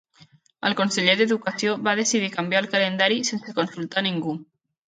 El conseller d'educació va decidir canviar el calendari sense consultar ningú.